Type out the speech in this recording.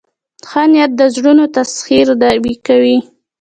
ښه نیت د زړونو تسخیر کوي.